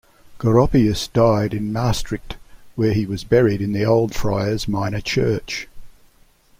Goropius died in Maastricht, where he was buried in the old friars minor church.